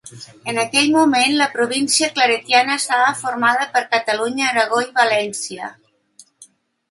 En aquell moment la província claretiana estava formada per Catalunya, Aragó i València.